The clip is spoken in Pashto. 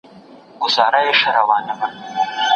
ځینې پاڼې د حیواناتو خوراک کېږي.